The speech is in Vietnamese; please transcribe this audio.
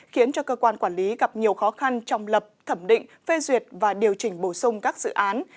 khiến cho cơ quan quản lý gặp nhiều khó khăn trong lập thẩm định phê duyệt và điều chỉnh bổ sung các dự án